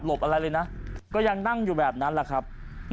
อะไรเลยนะก็ยังนั่งอยู่แบบนั้นแหละครับ